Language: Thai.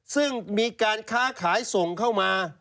ซึ่งมีการค้าขายส่งเข้ามา